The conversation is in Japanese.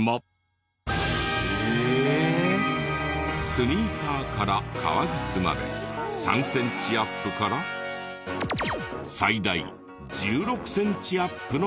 スニーカーから革靴まで３センチアップから最大１６センチアップの靴が。